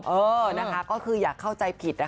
เออนะคะก็คืออย่าเข้าใจผิดนะคะ